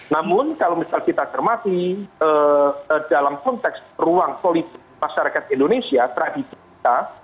namun kalau misal kita cermati dalam konteks ruang politik masyarakat indonesia tradisi kita